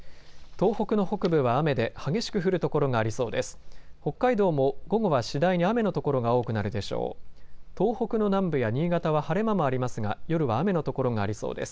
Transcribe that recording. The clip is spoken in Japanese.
東北の北部は雨で激しく降る所がありそうです。